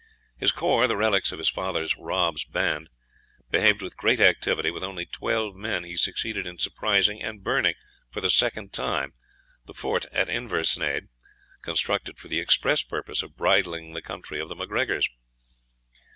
His corps, the relics of his father Rob's band, behaved with great activity; with only twelve men he succeeded in surprising and burning, for the second time, the fort at Inversnaid, constructed for the express purpose of bridling the country of the MacGregors.